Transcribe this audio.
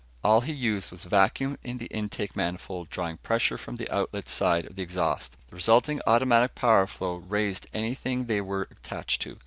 All he used was vacuum in the intake manifold, drawing pressure from the outlet side of the exhaust. The resulting automatic power flow raised anything they were attached to.